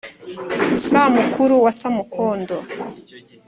samukuru wa samukondo